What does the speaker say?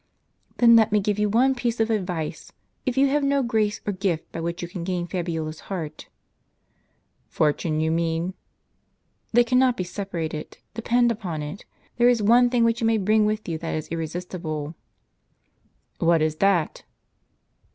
"Then let me give you one piece of advice; if you have no grace or gift by which you can gain Fabiola's heart " "Fortune, you mean." "They cannot be separated; — depend upon it, there is one thing wMch you may bring with you that is irresistible." "What is that?''